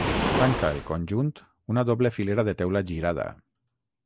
Tanca el conjunt una doble filera de teula girada.